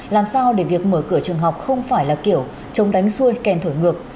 làm sao để việc mở cửa trường học không phải là kiểu trông đánh xuôi kèn thổi ngược